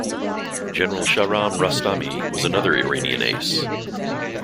General Shahram Rostami was another Iranian ace.